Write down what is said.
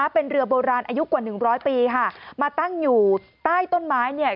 เป็นเรือโบราณอายุกว่าหนึ่งร้อยปีค่ะมาตั้งอยู่ใต้ต้นไม้เนี่ย